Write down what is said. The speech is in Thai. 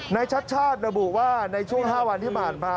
ชัดชาติระบุว่าในช่วง๕วันที่ผ่านมา